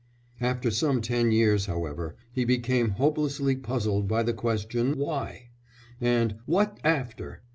After some ten years, however, he became hopelessly puzzled by the questions "Why?" and "What after?"